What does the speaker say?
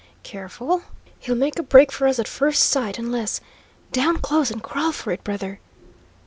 "Careful! He'll make a break for us at first sight, unless down close, and crawl for it, brother!"